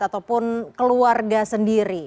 ataupun keluarga sendiri